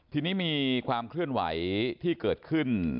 ทีนี้มีความเคลื่อนไหวที่เกิดขึ้น